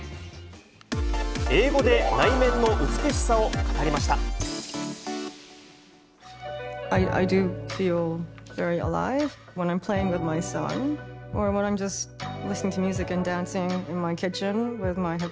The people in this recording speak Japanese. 英語で内面の美しさを語りました。